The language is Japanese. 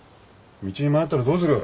道に迷ったらどうする。